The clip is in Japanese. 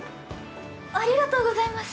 ありがとうございます。